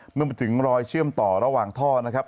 เมื่อมาถึงรอยเชื่อมต่อระหว่างท่อนะครับ